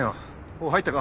おう入ったか？